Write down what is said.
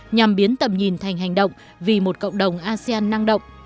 nhằm biến tầm nhìn thành hành động vì một cộng đồng asean năng động